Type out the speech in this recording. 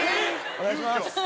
お願いします。